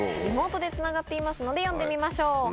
リモートでつながっていますので呼んでみましょう。